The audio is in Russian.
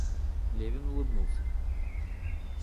Левин улыбнулся.